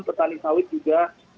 petani sawit juga